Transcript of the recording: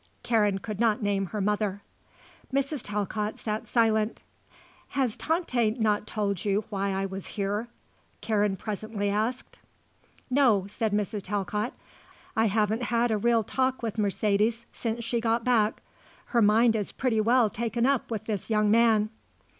Karen could not name her mother. Mrs. Talcott sat silent. "Has Tante not told you why I was here?" Karen presently asked. "No," said Mrs. Talcott. "I haven't had a real talk with Mercedes since she got back. Her mind is pretty well taken up with this young man."